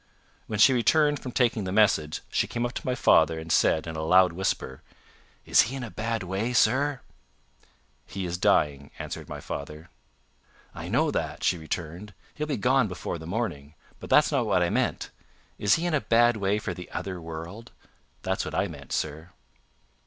When she returned from taking the message, she came up to my father and said, in a loud whisper, "Is he in a bad way, sir?" "He is dying," answered my father. "I know that," she returned. "He'll be gone before the morning. But that's not what I meant. Is he in a bad way for the other world? That's what I meant, sir."